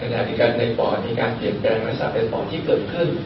มีการเป็นปอดมีการเปลี่ยนแปลงลักษณะเป็นปอดที่เกิดขึ้น